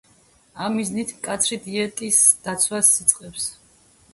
ამ მიზნით მკაცრი დიეტის დაცვას იწყებს.